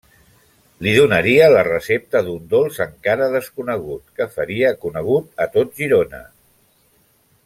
Li donaria la recepta d'un dolç encara desconegut, que faria fos conegut a tot Girona.